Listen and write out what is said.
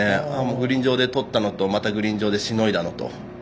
グリーン上でとったのとグリーン上でしのいだのと。